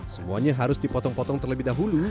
semuanya harus dipotong potong terlebih dahulu